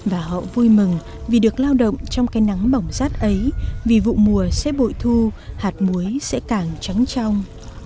và họ vui mừng vì được lao động trong cái nắng bỏng rát ấy vì vụ mùa sẽ bội thu hạt muối sẽ càng trắng trong